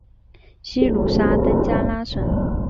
西努沙登加拉省。